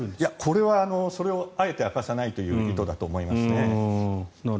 これはそれをあえて明かさないという意図だと思いますね。